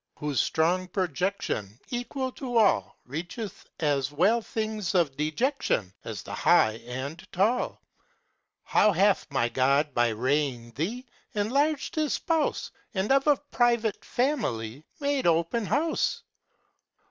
whose strong projection, Equal to all, Reacheth as well things of dejection; As th' high and tall ; How hath my God by raying thee Enlarged His Spouse, And ol a private family Made open house